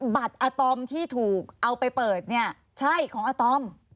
บัตรอาตอมที่ถูกเอาไปเปิดเนี่ยใช่ของอาตอม